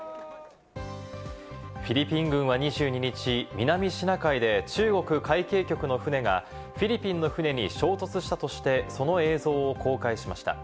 フィリピン軍は２２日、南シナ海で中国海警局の船がフィリピンの船に衝突したとして、その映像を公開しました。